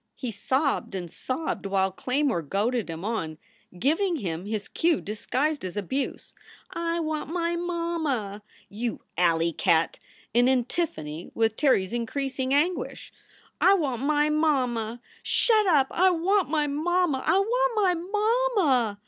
He sobbed and sobbed while Claymore goaded him on, giving him his cue disguised as abuse, "I want my mamma! You alley cat !" in antiphony with Terry s increasing anguish. 1 I want my mamma ! Shut up !/ want my mamma. I WANT MY MAMMA!"